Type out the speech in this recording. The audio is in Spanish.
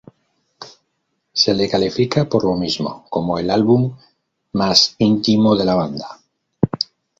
Se le califica, por lo mismo, como el álbum "más íntimo" de la banda.